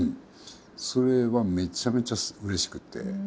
それはめちゃめちゃうれしくて。